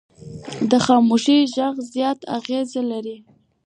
د خاموشي غږ زیات اغېز لري